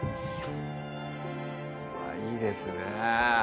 わぁいいですね